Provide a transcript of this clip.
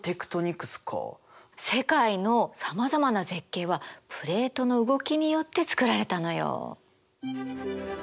世界のさまざまな絶景はプレートの動きによってつくられたのよ。